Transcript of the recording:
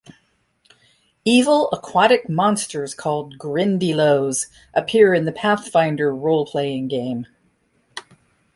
Evil aquatic monsters called grindylows appear in the Pathfinder Roleplaying Game.